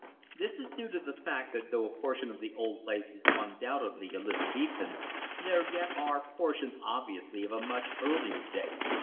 This is due to the fact that though a portion of the old place is undoubtedly Elizabethan, there yet are portions obviously of a much earlier date.